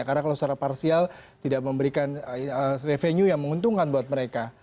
karena kalau secara parsial tidak memberikan revenue yang menguntungkan buat mereka